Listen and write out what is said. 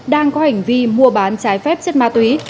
đang có hành vi mua bán trái phép chất ma túy